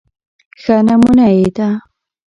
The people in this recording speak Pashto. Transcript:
ښه نمونه يې د